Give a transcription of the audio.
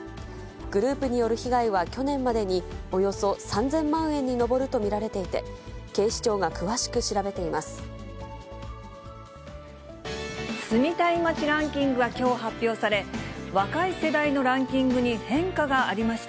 グループによる被害は去年までにおよそ３０００万円に上ると見られていて、住みたい街ランキングがきょう発表され、若い世代のランキングに変化がありました。